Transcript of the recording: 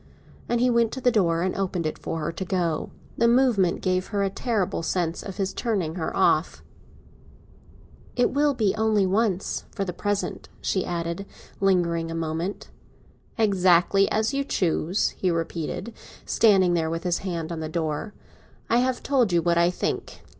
And he went to the door and opened it for her to go out. The movement gave her a terrible sense of his turning her off. "It will be only once, for the present," she added, lingering a moment. "Exactly as you choose," he repeated, standing there with his hand on the door. "I have told you what I think.